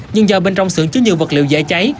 nhưng do bên trong sướng chứa nhiều vật liệu dễ cháy